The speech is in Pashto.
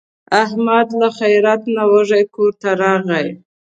احمد له خیرات نه وږی کورته راغی.